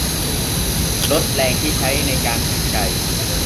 ลดแรงที่ใช้ในการหายใจ